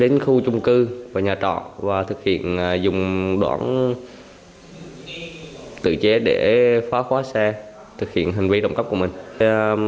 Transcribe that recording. đến khu trung cư và nhà trọ và thực hiện dùng đoạn tự chế để phá khóa xe thực hiện hành vi động cấp của mình